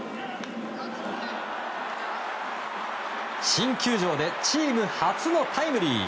新球場でチーム初のタイムリー。